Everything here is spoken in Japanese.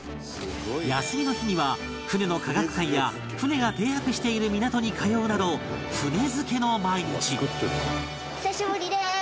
休みの日には船の科学館や船が停泊している港に通うなどお久しぶりです！